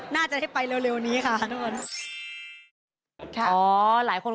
น่าจะได้ไปเร็วนี้ค่ะ